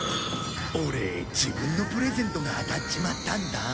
オレ自分のプレゼントが当たっちまったんだ。